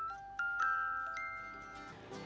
user interface yang simpel justru menjadi keunggulan tersendiri